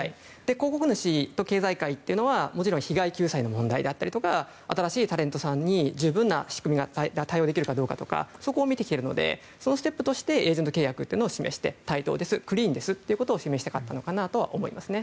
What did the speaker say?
広告主と経済界というのはもちろん被害救済の問題だったり新しいタレントに十分な仕組みで対応できるかどうかとか見てきているのでそのステップとしてエージェント契約を示して対等です、クリーンですということを示したかったのかなと思いますね。